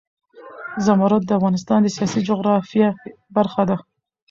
زمرد د افغانستان د سیاسي جغرافیه برخه ده.